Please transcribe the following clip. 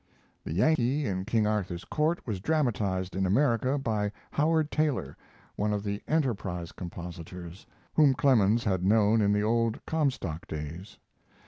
The Yankee in King Arthur's Court was dramatized in America by Howard Taylor, one of the Enterprise compositors, whom Clemens had known in the old Comstock days.